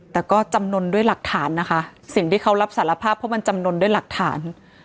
แต่ก็จำนวนด้วยหลักฐานนะคะสิ่งที่เขารับสารภาพเพราะมันจำนวนด้วยหลักฐาน